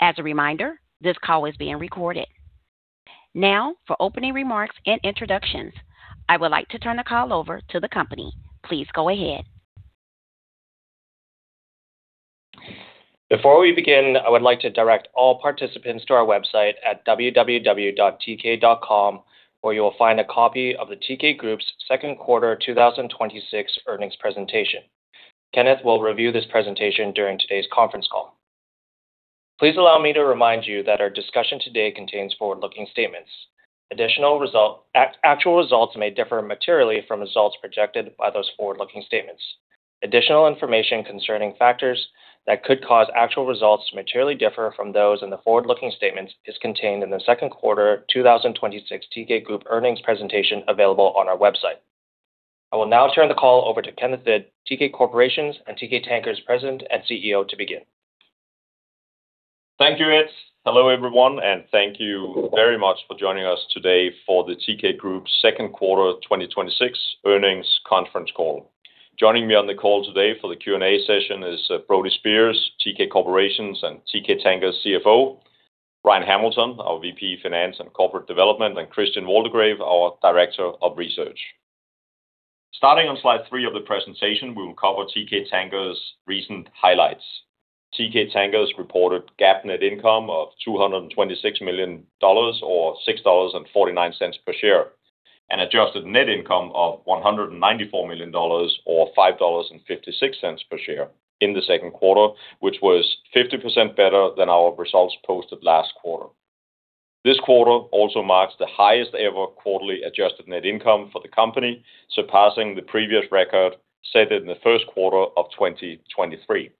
As a reminder, this call is being recorded. For opening remarks and introductions, I would like to turn the call over to the company. Please go ahead. Before we begin, I would like to direct all participants to our website at www.teekay.com where you will find a copy of the Teekay Group's second quarter 2026 earnings presentation. Kenneth will review this presentation during today's conference call. Please allow me to remind you that our discussion today contains forward-looking statements. Actual results may differ materially from results projected by those forward-looking statements. Additional information concerning factors that could cause actual results to materially differ from those in the forward-looking statements is contained in the second quarter 2026 Teekay Group earnings presentation available on our website. I will now turn the call over to Kenneth Hvid, Teekay Corporation's and Teekay Tankers' President and CEO to begin. Thank you, Ed. Hello everyone, thank you very much for joining us today for the Teekay Group's second quarter 2026 earnings conference call. Joining me on the call today for the Q&A session is Brody Speers, Teekay Corporation's and Teekay Tankers' CFO. Ryan Hamilton, our VP of Finance and Corporate Development, and Christian Waldegrave, our Director of Research. Starting on slide three of the presentation, we will cover Teekay Tankers' recent highlights. Teekay Tankers reported GAAP net income of $226 million, or $6.49 per share, and adjusted net income of $194 million, or $5.56 per share in the second quarter, which was 50% better than our results posted last quarter. This quarter also marks the highest ever quarterly adjusted net income for the company, surpassing the previous record set in the first quarter of 2023.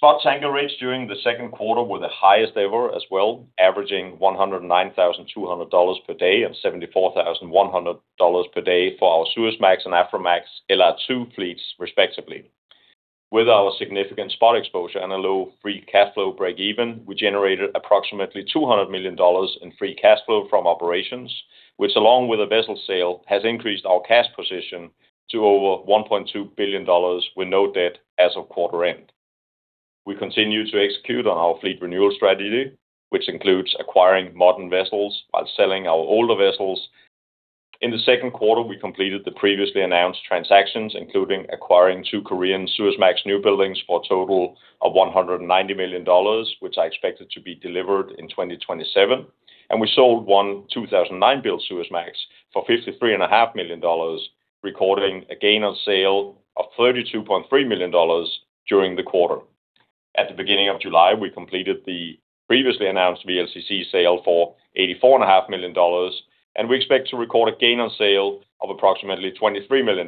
Spot tanker rates during the second quarter were the highest ever as well, averaging $109,200 per day and $74,100 per day for our Suezmax and Aframax LR2 fleets respectively. With our significant spot exposure and a low free cash flow breakeven, we generated approximately $200 million in free cash flow from operations, which along with a vessel sale, has increased our cash position to over $1.2 billion with no debt as of quarter end. We continue to execute on our fleet renewal strategy, which includes acquiring modern vessels while selling our older vessels. In the second quarter, we completed the previously announced transactions, including acquiring two Korean Suezmax new buildings for a total of $190 million, which are expected to be delivered in 2027. We sold one 2009-built Suezmax for $53.5 million, recording a gain on sale of $32.3 million during the quarter. At the beginning of July, we completed the previously announced VLCC sale for $84.5 million, and we expect to record a gain on sale of approximately $23 million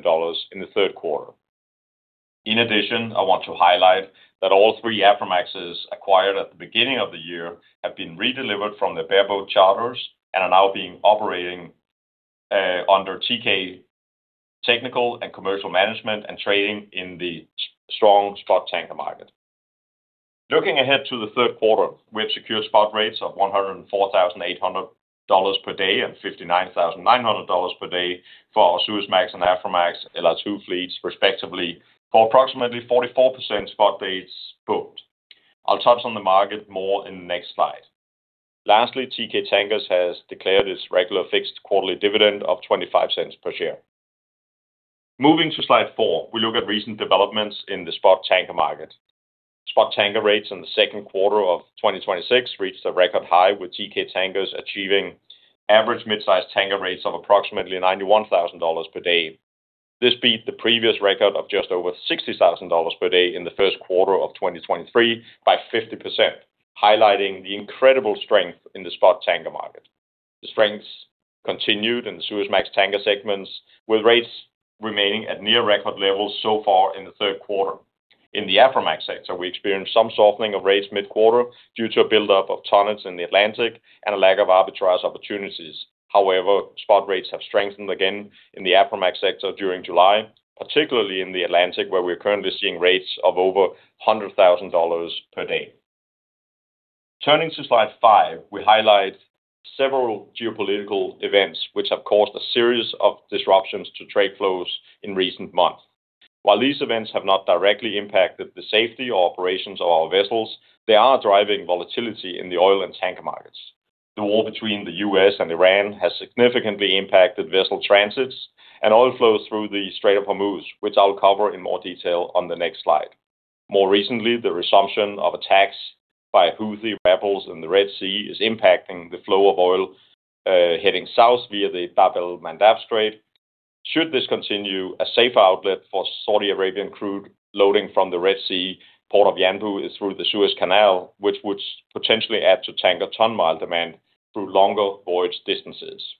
in the third quarter. In addition, I want to highlight that all three Aframaxes acquired at the beginning of the year have been redelivered from their bareboat charters and are now being operating, under Teekay technical and commercial management and trading in the strong spot tanker market. Looking ahead to the third quarter, we have secured spot rates of $104,800 per day and $59,900 per day for our Suezmax and Aframax LR2 fleets, respectively, for approximately 44% spot rates booked. I'll touch on the market more in the next slide. Lastly, Teekay Tankers has declared its regular fixed quarterly dividend of $0.25 per share. Moving to slide four, we look at recent developments in the spot tanker market. Spot tanker rates in the second quarter of 2026 reached a record high, with Teekay Tankers achieving average mid-size tanker rates of approximately $91,000 per day. This beat the previous record of just over $60,000 per day in the first quarter of 2023 by 50%, highlighting the incredible strength in the spot tanker market. The strength's continued in the Suezmax tanker segments, with rates remaining at near record levels so far in the third quarter. Spot rates have strengthened again in the Aframax sector during July, particularly in the Atlantic, where we're currently seeing rates of over $100,000 per day. Turning to slide five, we highlight several geopolitical events which have caused a series of disruptions to trade flows in recent months. While these events have not directly impacted the safety or operations of our vessels, they are driving volatility in the oil and tanker markets. The war between the U.S. and Iran has significantly impacted vessel transits and oil flows through the Strait of Hormuz, which I'll cover in more detail on the next slide. More recently, the resumption of attacks by Houthi rebels in the Red Sea is impacting the flow of oil, heading south via the Bab el-Mandab Strait. Should this continue, a safer outlet for Saudi Arabian crude loading from the Red Sea port of Yanbu is through the Suez Canal, which would potentially add to tanker ton mile demand through longer voyage distances.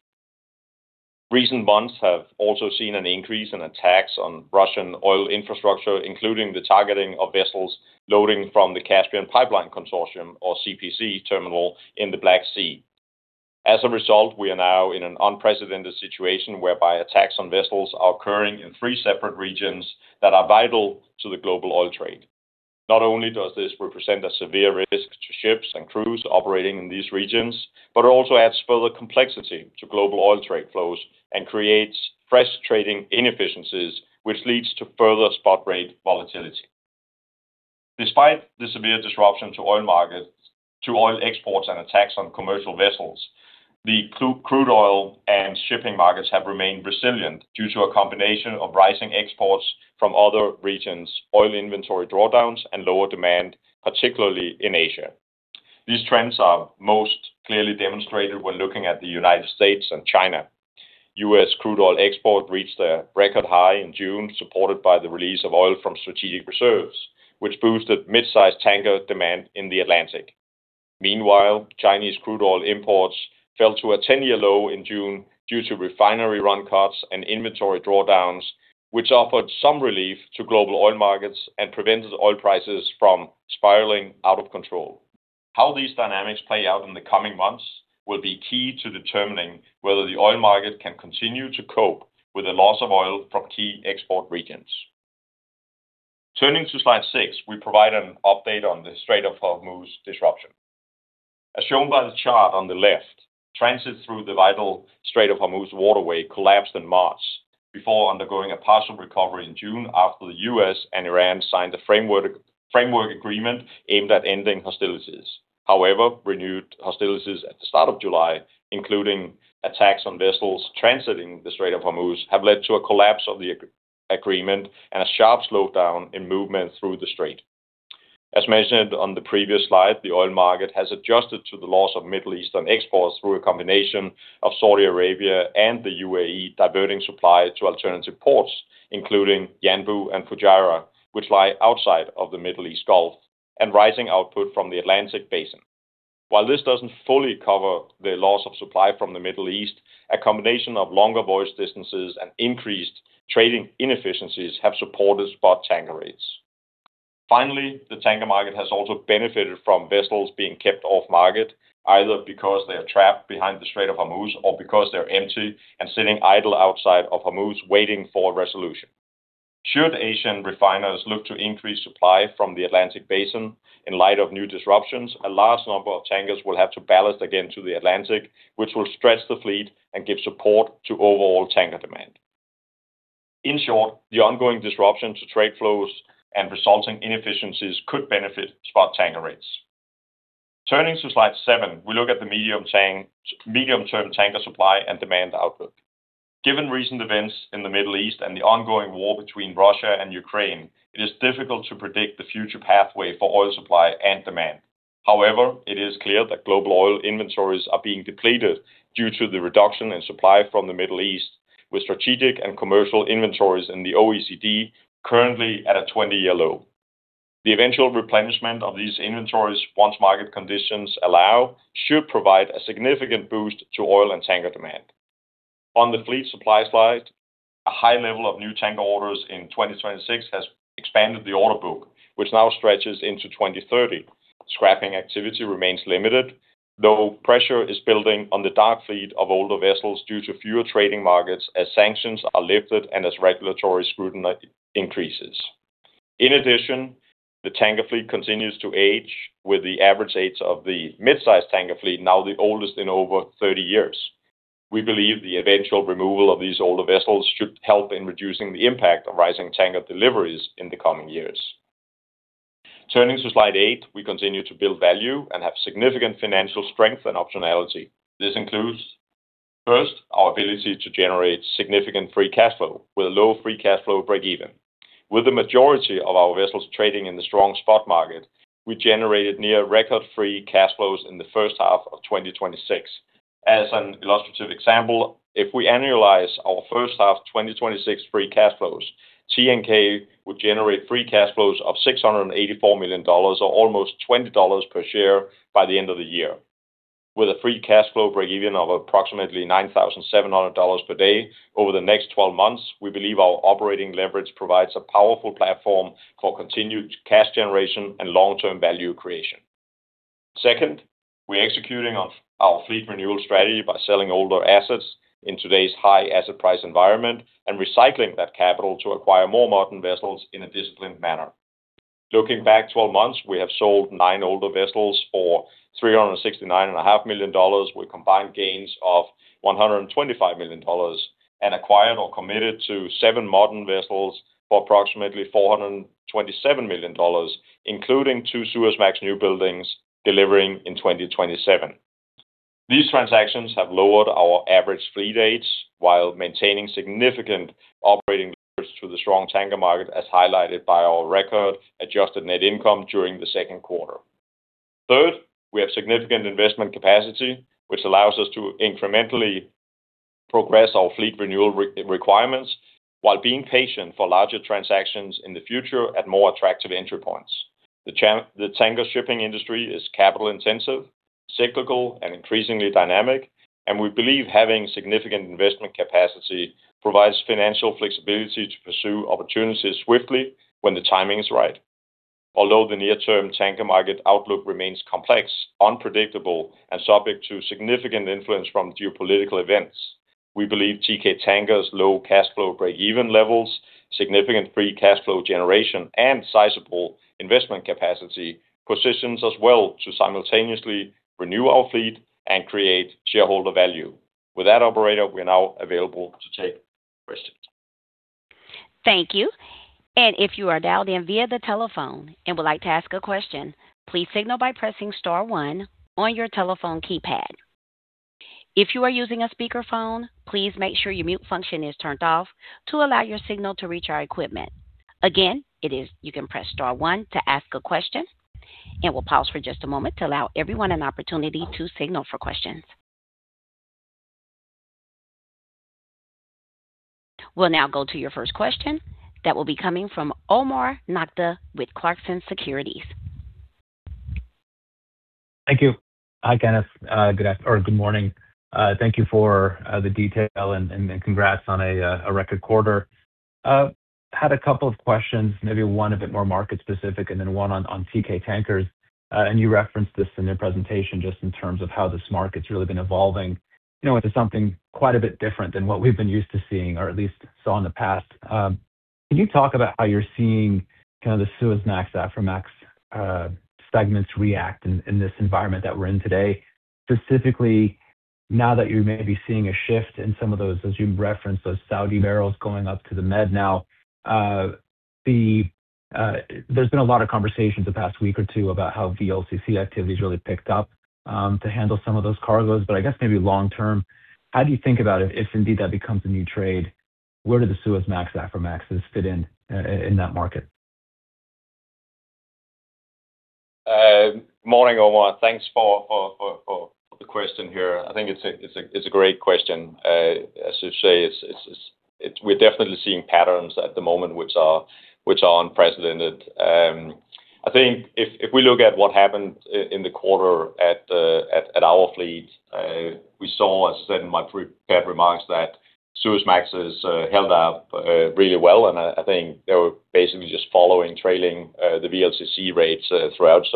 Recent months have also seen an increase in attacks on Russian oil infrastructure, including the targeting of vessels loading from the Caspian Pipeline Consortium, or CPC terminal in the Black Sea. We are now in an unprecedented situation whereby attacks on vessels are occurring in three separate regions that are vital to the global oil trade. Not only does this represent a severe risk to ships and crews operating in these regions, but it also adds further complexity to global oil trade flows and creates frustrating inefficiencies, which leads to further spot rate volatility. Despite the severe disruption to oil markets, to oil exports and attacks on commercial vessels, the crude oil and shipping markets have remained resilient due to a combination of rising exports from other regions, oil inventory drawdowns and lower demand, particularly in Asia. These trends are most clearly demonstrated when looking at the United States and China. U.S. crude oil export reached a record high in June, supported by the release of oil from strategic reserves, which boosted mid-sized tanker demand in the Atlantic. Meanwhile, Chinese crude oil imports fell to a 10-year low in June due to refinery run cuts and inventory drawdowns, which offered some relief to global oil markets and prevented oil prices from spiraling out of control. How these dynamics play out in the coming months will be key to determining whether the oil market can continue to cope with the loss of oil from key export regions. Turning to slide six, we provide an update on the Strait of Hormuz disruption. As shown by the chart on the left, transit through the vital Strait of Hormuz waterway collapsed in March before undergoing a partial recovery in June after the U.S. and Iran signed a framework agreement aimed at ending hostilities. Renewed hostilities at the start of July, including attacks on vessels transiting the Strait of Hormuz, have led to a collapse of the agreement and a sharp slowdown in movement through the strait. As mentioned on the previous slide, the oil market has adjusted to the loss of Middle Eastern exports through a combination of Saudi Arabia and the UAE diverting supply to alternative ports, including Yanbu and Fujairah, which lie outside of the Middle East Gulf and rising output from the Atlantic basin. While this doesn't fully cover the loss of supply from the Middle East, a combination of longer voyage distances and increased trading inefficiencies have supported spot tanker rates. The tanker market has also benefited from vessels being kept off market, either because they are trapped behind the Strait of Hormuz or because they are empty and sitting idle outside of Hormuz waiting for a resolution. Should Asian refiners look to increase supply from the Atlantic basin in light of new disruptions, a large number of tankers will have to ballast again to the Atlantic, which will stretch the fleet and give support to overall tanker demand. In short, the ongoing disruption to trade flows and resulting inefficiencies could benefit spot tanker rates. Turning to slide seven, we look at the medium-term tanker supply and demand outlook. Given recent events in the Middle East and the ongoing war between Russia and Ukraine, it is difficult to predict the future pathway for oil supply and demand. It is clear that global oil inventories are being depleted due to the reduction in supply from the Middle East, with strategic and commercial inventories in the OECD currently at a 20-year low. The eventual replenishment of these inventories, once market conditions allow, should provide a significant boost to oil and tanker demand. On the fleet supply slide, a high level of new tanker orders in 2026 has expanded the order book, which now stretches into 2030. Scrapping activity remains limited, though pressure is building on the dark fleet of older vessels due to fewer trading markets as sanctions are lifted and as regulatory scrutiny increases. In addition, the tanker fleet continues to age, with the average age of the mid-sized tanker fleet now the oldest in over 30 years. We believe the eventual removal of these older vessels should help in reducing the impact of rising tanker deliveries in the coming years. Turning to slide eight, we continue to build value and have significant financial strength and optionality. This includes, first, our ability to generate significant free cash flow with a low free cash flow breakeven. With the majority of our vessels trading in the strong spot market, we generated near record free cash flows in the first half of 2026. As an illustrative example, if we annualize our first half 2026 free cash flows, Teekay would generate free cash flows of $684 million, or almost $20 per share by the end of the year. With a free cash flow breakeven of approximately $9,700 per day over the next 12 months, we believe our operating leverage provides a powerful platform for continued cash generation and long-term value creation. We're executing on our fleet renewal strategy by selling older assets in today's high asset price environment and recycling that capital to acquire more modern vessels in a disciplined manner. Looking back 12 months, we have sold nine older vessels for $369.5 million with combined gains of $125 million and acquired or committed to seven modern vessels for approximately $427 million, including two Suezmax newbuildings delivering in 2027. These transactions have lowered our average fleet age while maintaining significant operating leverage through the strong tanker market, as highlighted by our record adjusted net income during the second quarter. We have significant investment capacity, which allows us to incrementally progress our fleet renewal requirements while being patient for larger transactions in the future at more attractive entry points. The tanker shipping industry is capital-intensive, cyclical, and increasingly dynamic, and we believe having significant investment capacity provides financial flexibility to pursue opportunities swiftly when the timing is right. Although the near-term tanker market outlook remains complex, unpredictable, and subject to significant influence from geopolitical events, we believe Teekay Tankers' low cash flow breakeven levels, significant free cash flow generation, and sizable investment capacity positions us well to simultaneously renew our fleet and create shareholder value. With that, operator, we are now available to take questions. Thank you. If you are dialed in via the telephone and would like to ask a question, please signal by pressing star one on your telephone keypad. If you are using a speakerphone, please make sure your mute function is turned off to allow your signal to reach our equipment. You can press star one to ask a question, and we'll pause for just a moment to allow everyone an opportunity to signal for questions. We'll now go to your first question. That will be coming from Omar Nokta with Clarksons Securities. Thank you. Hi, Kenneth. Good morning. Thank you for the detail, and congrats on a record quarter. I had a couple of questions, maybe one a bit more market-specific and then one on Teekay Tankers. You referenced this in your presentation just in terms of how this market's really been evolving into something quite a bit different than what we've been used to seeing or at least saw in the past. Can you talk about how you're seeing kind of the Suezmax, Aframax segments react in this environment that we're in today? Specifically, now that you may be seeing a shift in some of those, as you referenced, those Saudi barrels going up to the Med now. There's been a lot of conversations the past week or two about how VLCC activity's really picked up to handle some of those cargoes. I guess maybe long term, how do you think about it if indeed that becomes a new trade? Where do the Suezmax, Aframaxes fit in that market? Morning, Omar. Thanks for the question here. I think it's a great question. As you say, we're definitely seeing patterns at the moment which are unprecedented. I think if we look at what happened in the quarter at our fleet, we saw, as I said in my prepared remarks, that Suezmaxes held up really well. I think they were basically just following, trailing, the VLCC rates throughout.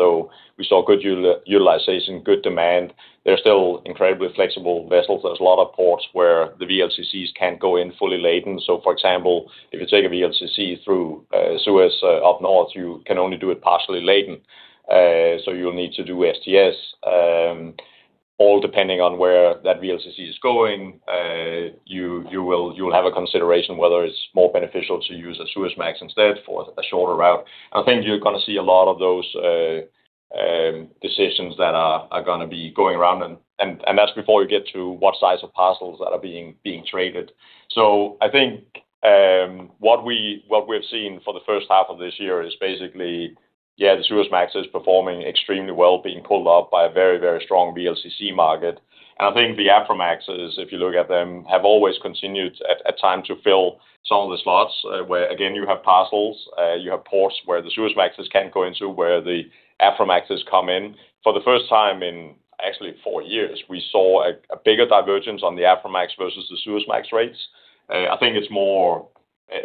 We saw good utilization, good demand. They're still incredibly flexible vessels. There's a lot of ports where the VLCCs can't go in fully laden. For example, if you take a VLCC through Suez up north, you can only do it partially laden, so you'll need to do STS. All depending on where that VLCC is going, you will have a consideration whether it's more beneficial to use a Suezmax instead for a shorter route. I think you're gonna see a lot of those decisions that are gonna be going around. That's before you get to what size of parcels that are being traded. I think what we have seen for the first half of this year is basically, yeah, the Suezmax is performing extremely well, being pulled up by a very, very strong VLCC market. I think the Aframaxes, if you look at them, have always continued at times to fill some of the slots, where again, you have parcels, you have ports where the Suezmaxes can't go into, where the Aframaxes come in. For the first time in actually four years, we saw a bigger divergence on the Aframax versus the Suezmax rates. I think it's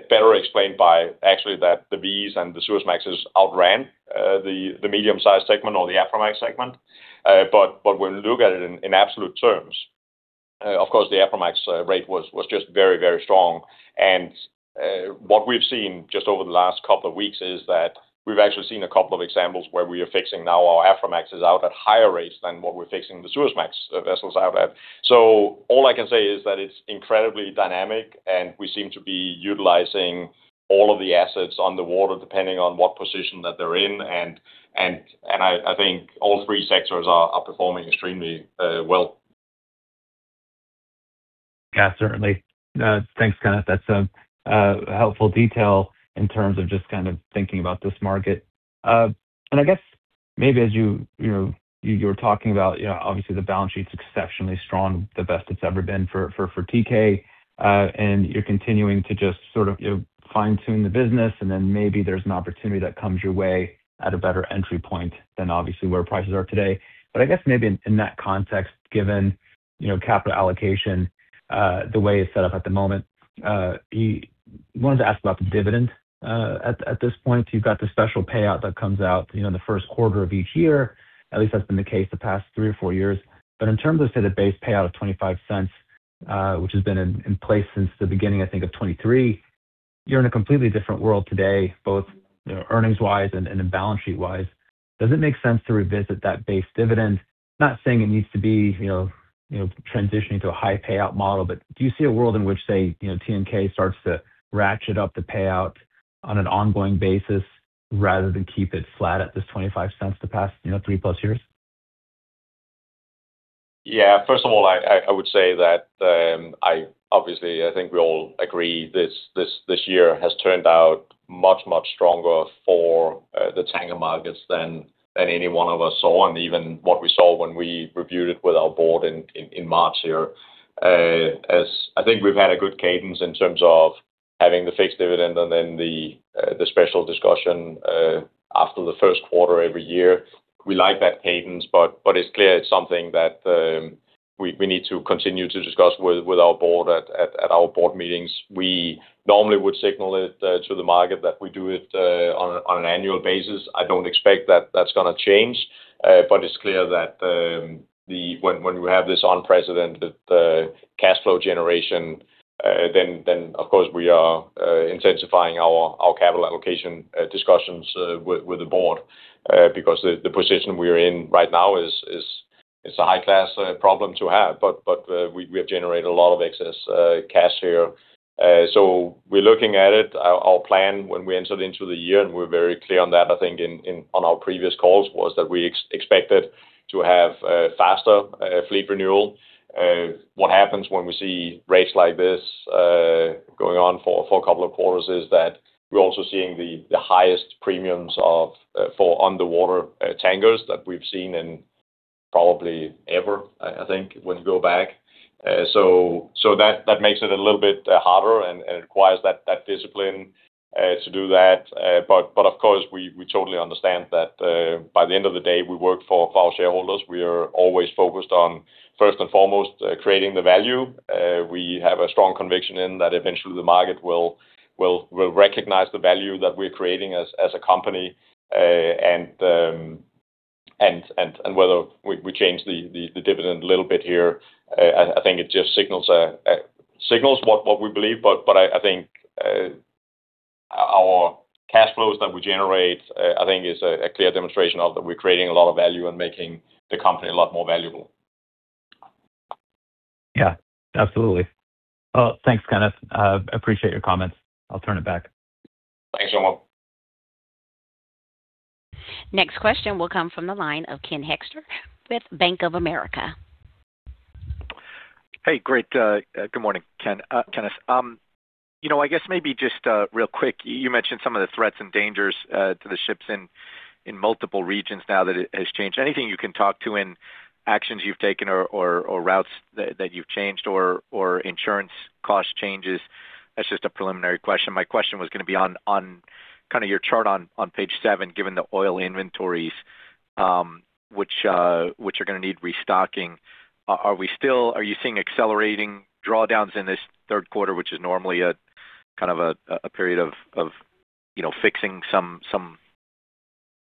better explained by actually that the Vs and the Suezmaxes outran the medium-sized segment or the Aframax segment. When you look at it in absolute terms, of course, the Aframax rate was just very, very strong. What we've seen just over the last couple of weeks is that we've actually seen a couple of examples where we are fixing now our Aframaxes out at higher rates than what we're fixing the Suezmax vessels out at. All I can say is that it's incredibly dynamic, and we seem to be utilizing all of the assets on the water, depending on what position that they're in, and I think all three sectors are performing extremely well. Yeah, certainly. Thanks, Kenneth. That's a helpful detail in terms of just kind of thinking about this market. I guess maybe as you were talking about, obviously, the balance sheet's exceptionally strong, the best it's ever been for Teekay. You're continuing to just sort of fine-tune the business, and then maybe there's an opportunity that comes your way at a better entry point than obviously where prices are today. I guess maybe in that context, given capital allocation, the way it's set up at the moment, wanted to ask about the dividend. At this point, you've got the special payout that comes out in the first quarter of each year. At least that's been the case the past three or four years. In terms of, say, the base payout of $0.25, which has been in place since the beginning, I think, of 2023, you're in a completely different world today, both earnings-wise and in balance sheet-wise. Does it make sense to revisit that base dividend? Not saying it needs to be transitioning to a high payout model, but do you see a world in which, say, TNK starts to ratchet up the payout on an ongoing basis rather than keep it flat at this $0.25 the past three-plus years? Yeah. First of all, I would say that, obviously, I think we all agree this year has turned out much, much stronger for the tanker markets than any one of us saw, and even what we saw when we reviewed it with our board in March here. I think we've had a good cadence in terms of having the fixed dividend and then the special discussion after the first quarter every year. We like that cadence, it's clear it's something that we need to continue to discuss with our board at our board meetings. We normally would signal it to the market that we do it on an annual basis. I don't expect that that's going to change. It's clear that when we have this unprecedented cash flow generation, of course, we are intensifying our capital allocation discussions with the board because the position we're in right now is. It's a high-class problem to have, we have generated a lot of excess cash here. We're looking at it. Our plan when we entered into the year, and we're very clear on that, I think, on our previous calls, was that we expected to have a faster fleet renewal. What happens when we see rates like this going on for a couple of quarters is that we're also seeing the highest premiums for underwater tankers that we've seen in probably ever, I think, when you go back. That makes it a little bit harder and requires that discipline to do that. Of course, we totally understand that by the end of the day, we work for our shareholders. We are always focused on, first and foremost, creating the value. We have a strong conviction in that eventually the market will recognize the value that we're creating as a company. Whether we change the dividend a little bit here, I think it just signals what we believe. I think our cash flows that we generate, I think is a clear demonstration of that we're creating a lot of value and making the company a lot more valuable. Yeah, absolutely. Thanks, Kenneth. I appreciate your comments. I'll turn it back. Thanks, Omar. Next question will come from the line of Ken Hoexter with Bank of America. Hey. Great. Good morning, Kenneth. I guess maybe just real quick, you mentioned some of the threats and dangers to the ships in multiple regions now that it has changed. Anything you can talk to in actions you've taken or routes that you've changed or insurance cost changes? That's just a preliminary question. My question was going to be on your chart on page seven, given the oil inventories, which are going to need restocking. Are you seeing accelerating drawdowns in this third quarter, which is normally a period of fixing some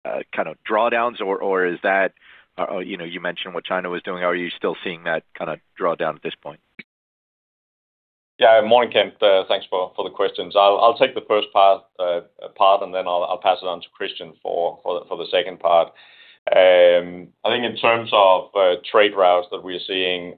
kind of drawdowns? You mentioned what China was doing. Are you still seeing that kind of drawdown at this point? Yeah. Morning, Ken. Thanks for the questions. I'll take the first part, then I'll pass it on to Christian for the second part. I think in terms of trade routes that we're seeing,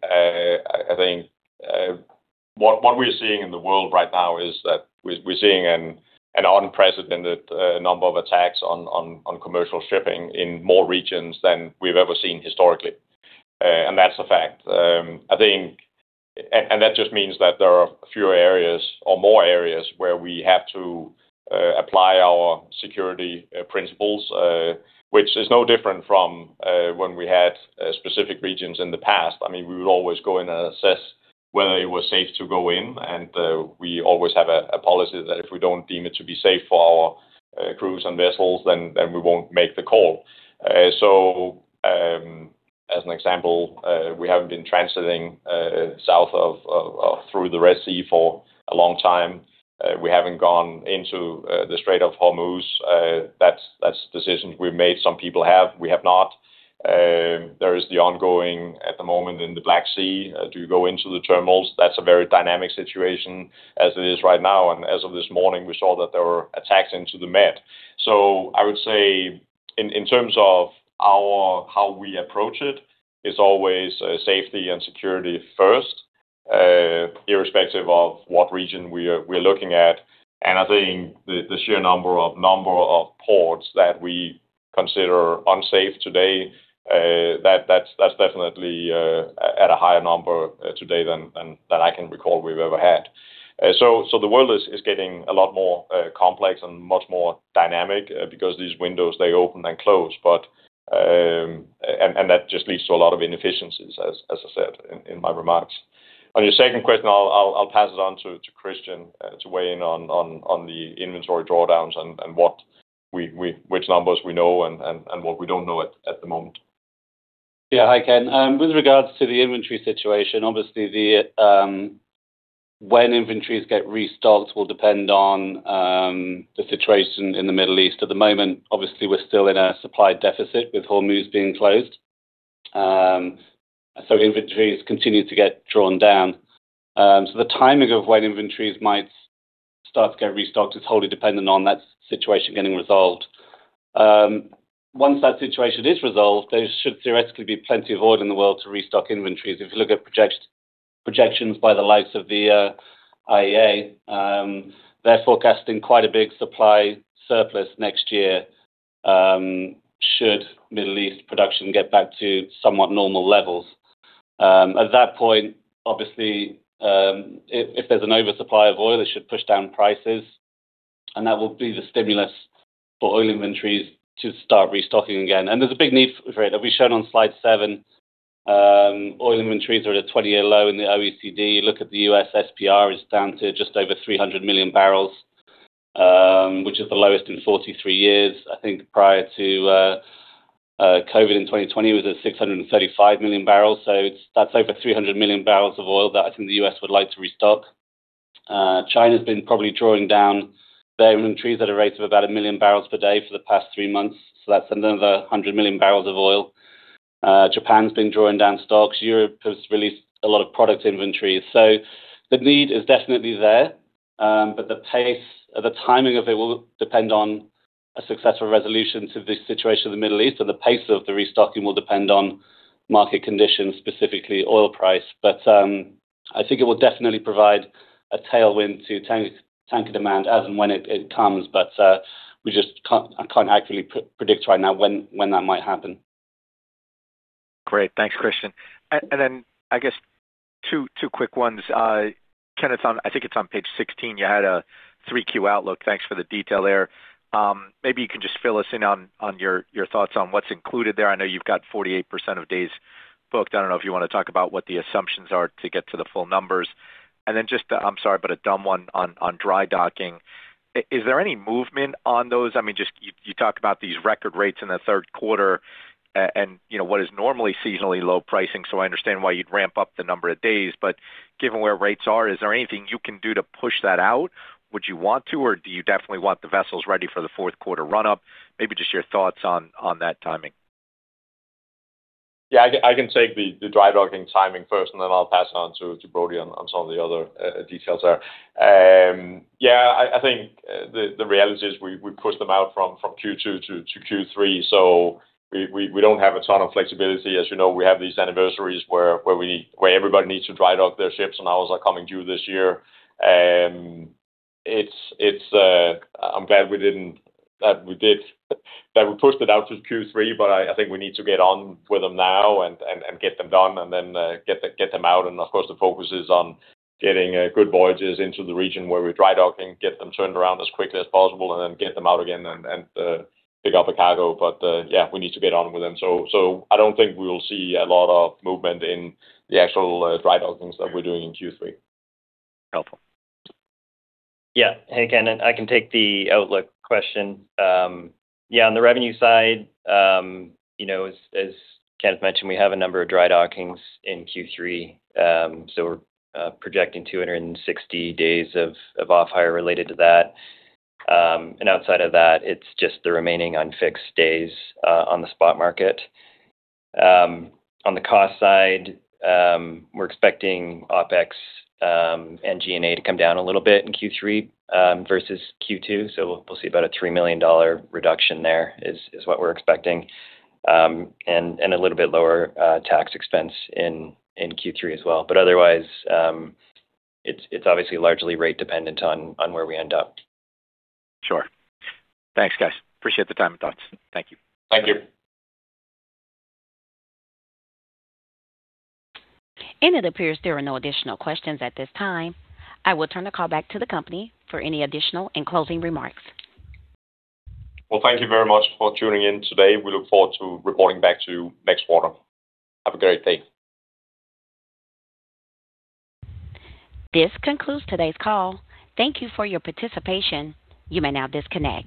what we're seeing in the world right now is that we're seeing an unprecedented number of attacks on commercial shipping in more regions than we've ever seen historically. That's a fact. That just means that there are fewer areas or more areas where we have to apply our security principles, which is no different from when we had specific regions in the past. We would always go in and assess whether it was safe to go in, and we always have a policy that if we don't deem it to be safe for our crews and vessels, then we won't make the call. As an example, we haven't been transiting south through the Red Sea for a long time. We haven't gone into the Strait of Hormuz. That's decisions we've made. Some people have, we have not. There is the ongoing at the moment in the Black Sea to go into the terminals. That's a very dynamic situation as it is right now. As of this morning, we saw that there were attacks into the Med. I would say in terms of how we approach it's always safety and security first, irrespective of what region we're looking at. I think the sheer number of ports that we consider unsafe today, that's definitely at a higher number today than I can recall we've ever had. The world is getting a lot more complex and much more dynamic because these windows, they open and close. That just leads to a lot of inefficiencies, as I said in my remarks. On your second question, I'll pass it on to Christian to weigh in on the inventory drawdowns and which numbers we know and what we don't know at the moment. Yeah. Hi, Ken. With regards to the inventory situation, obviously, when inventories get restocked will depend on the situation in the Middle East. At the moment, obviously, we're still in a supply deficit with Hormuz being closed. Inventories continue to get drawn down. The timing of when inventories might start to get restocked is wholly dependent on that situation getting resolved. Once that situation is resolved, there should theoretically be plenty of oil in the world to restock inventories. If you look at projections by the likes of the IEA, they're forecasting quite a big supply surplus next year should Middle East production get back to somewhat normal levels. At that point, obviously, if there's an oversupply of oil, it should push down prices, and that will be the stimulus for oil inventories to start restocking again. There's a big need for it. As we've shown on slide seven, oil inventories are at a 20-year low in the OECD. Look at the U.S. SPR is down to just over 300 million barrels, which is the lowest in 43 years. I think prior to COVID in 2020, it was at 635 million barrels. That's over 300 million barrels of oil that I think the U.S. would like to restock. China's been probably drawing down their inventories at a rate of about a million barrels per day for the past three months. That's another 100 million barrels of oil. Japan's been drawing down stocks. Europe has released a lot of product inventories. The need is definitely there. The pace or the timing of it will depend on a successful resolution to the situation in the Middle East and the pace of the restocking will depend on market conditions, specifically oil price. I think it will definitely provide a tailwind to tanker demand as and when it comes. We just can't accurately predict right now when that might happen. Great. Thanks, Christian. I guess two quick ones. Kenneth, I think it's on page 16, you had a 3-Q outlook. Thanks for the detail there. Maybe you can just fill us in on your thoughts on what's included there. I know you've got 48% of days booked. I don't know if you want to talk about what the assumptions are to get to the full numbers. Just, I'm sorry, but a dumb one on dry docking. Is there any movement on those? You talk about these record rates in the third quarter and what is normally seasonally low pricing, so I understand why you'd ramp up the number of days. Given where rates are, is there anything you can do to push that out? Would you want to, or do you definitely want the vessels ready for the fourth quarter run-up? Maybe just your thoughts on that timing. I can take the dry docking timing first, then I'll pass it on to Brody on some of the other details there. I think the reality is we pushed them out from Q2 to Q3, we don't have a ton of flexibility. As you know, we have these anniversaries where everybody needs to dry dock their ships, ours are coming due this year. I'm glad that we pushed it out to Q3, I think we need to get on with them now and get them done and get them out. Of course, the focus is on getting good voyages into the region where we dry dock and get them turned around as quickly as possible and get them out again and pick up a cargo. We need to get on with them. I don't think we will see a lot of movement in the actual dry dockings that we're doing in Q3. Helpful. Hey, Kenneth, I can take the outlook question. On the revenue side, as Kenneth mentioned, we have a number of dry dockings in Q3. We're projecting 260 days of off-hire related to that. Outside of that, it's just the remaining unfixed days on the spot market. On the cost side, we're expecting OpEx and G&A to come down a little bit in Q3 versus Q2, so we'll see about a $3 million reduction there, is what we're expecting, and a little bit lower tax expense in Q3 as well. Otherwise, it's obviously largely rate dependent on where we end up. Sure. Thanks, guys. Appreciate the time and thoughts. Thank you. Thank you. It appears there are no additional questions at this time. I will turn the call back to the company for any additional and closing remarks. Well, thank you very much for tuning in today. We look forward to reporting back to you next quarter. Have a great day. This concludes today's call. Thank you for your participation. You may now disconnect.